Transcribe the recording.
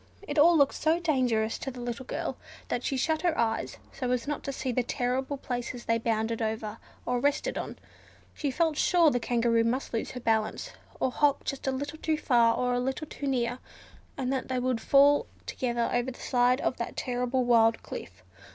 It all looked so dangerous to the little girl that she shut her eyes, so as not to see the terrible places they bounded over, or rested on: she felt sure that the Kangaroo must lose her balance, or hop just a little too far or a little too near, and that they would fall together over the side of that terrible wild cliff.